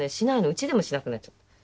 うちでもしなくなっちゃった。